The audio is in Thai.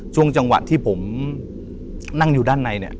ช่วงจังหวะที่ผมนั่งอยู่ด้านในเนี่ย